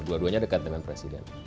dua duanya dekat dengan presiden